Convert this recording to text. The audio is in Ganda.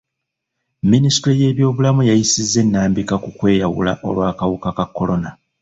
Minisitule y'ebyobulamu yayisizza ennambika ku kweyawula olw'akawuka ka kolona.